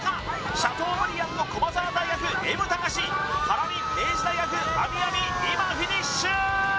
シャトーブリアンの駒澤大学Ｍ高史ハラミ明治大学阿弥阿弥今フィニッシュ！